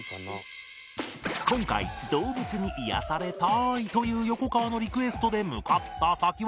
今回動物に癒やされたーいという横川のリクエストで向かった先は